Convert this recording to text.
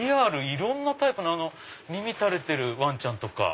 いろんなタイプの耳垂れてるわんちゃんとか。